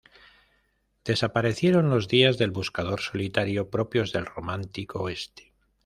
Desaparecieron los días del buscador solitario, propios del romántico Oeste.